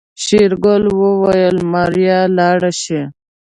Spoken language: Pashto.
شېرګل وويل ماريا لاړه شي.